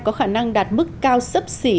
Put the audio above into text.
có khả năng đạt mức cao sấp xỉ